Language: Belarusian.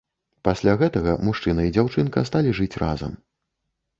Пасля гэтага мужчына і дзяўчынка сталі жыць разам.